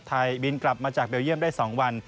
บินกลับมาจากเมืองกลับมาจากเบลยี่ยมได้สองวัน